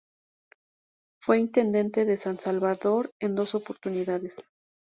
Fue intendente de San Salvador en dos oportunidades.